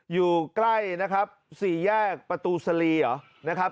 อยู่ใกล้นะครับสี่แยกประตูสลีหรอ